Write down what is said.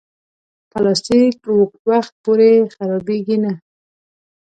پلاستيک اوږد وخت پورې خرابېږي نه.